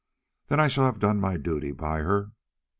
"Then I shall have done my duty by her.